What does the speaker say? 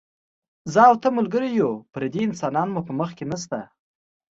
زه او ته ملګري یو، پردي انسانان مو په منځ کې نشته.